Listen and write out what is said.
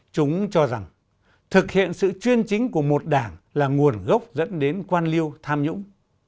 chúng cho rằng thực hiện sự chuyên chính của một đảng là nguồn gốc dẫn đến quan liêu tham nhũng